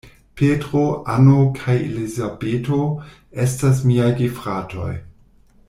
Petro, Anno kaj Elizabeto estas miaj gefratoj.